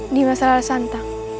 di mas rara santang